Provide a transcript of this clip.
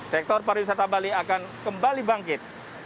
sektor pariwisata bali akan kembali bangkit